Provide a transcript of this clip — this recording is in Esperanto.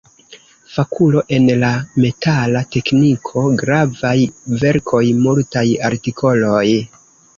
Fakulo en la metala tekniko; gravaj verkoj, multaj artikoloj.